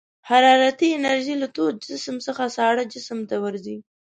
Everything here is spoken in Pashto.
حرارتي انرژي له تود جسم څخه ساړه جسم ته ورځي.